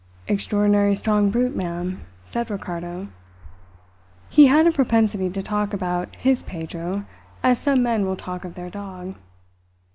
"Extraordinary strong brute, ma'am," said Ricardo. He, had a propensity to talk about "his Pedro," as some men will talk of their dog.